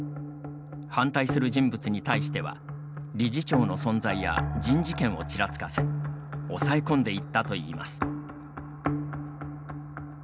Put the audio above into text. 反対する人物に対しては理事長の存在や人事権をちらつかせ押さえ込んでいったといいます。